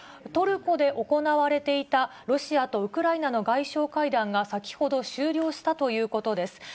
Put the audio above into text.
トルコで行われていた、ロシアとウクライナの外相会談が先ほど終了したということです。